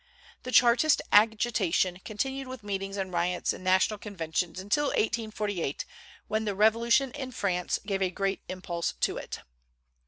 The Chartist agitation continued with meetings and riots and national conventions until 1848, when the Revolution in France gave a great impulse to it.